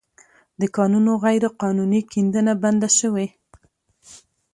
د کانونو غیرقانوني کیندنه بنده شوې